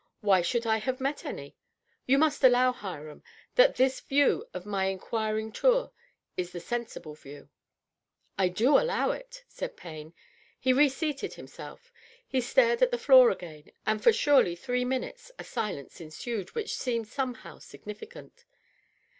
Why should I have met any ? You must allow, Hiram, that this view of my inquiring tour is the sensible view." " I do aflow it," Said Payne. He re seated himself. He stared at the door again, and for surely three minutes a silence ensued which seemed somehow significant.